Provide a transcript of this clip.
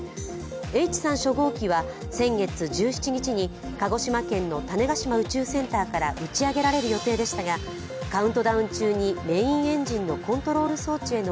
Ｈ３初号機は、先月１７日に鹿児島県の種子島宇宙センターから打ち上げられる予定でしたがカウントダウン中にメインエンジンのコントロール装置への